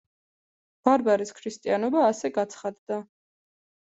ბარბარეს ქრისტიანობა ასე გაცხადდა.